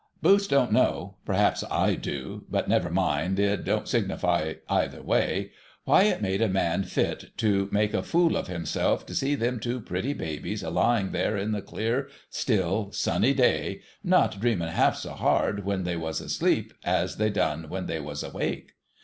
Boots don't know — perhaps I do, — but never mind, it don't signify either way — why it made a man fit to make a fool of himself to see them two pretty babies a lying there in the clear, still, sunny day, not dreaming half so hard when they was asleep as they done when they was awake.